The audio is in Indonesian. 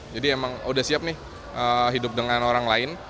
jadi emang udah siap nih hidup dengan orang lain